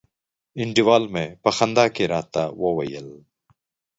انډیوال می په خندا کي راته وویل